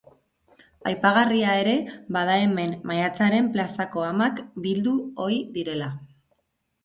Aipagarria ere bada hemen Maiatzaren Plazako Amak bildu ohi direla.